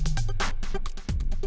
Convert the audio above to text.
kau gak sudah tahu